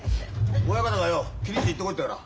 親方がよ気にして行ってこいっていうから。